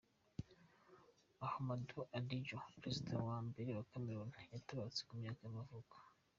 Ahmadou Ahidjo, perezida wa mbere wa Cameroon yaratabarutse, ku myaka y’amavuko.